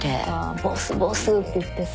ボスボスって言ってさ。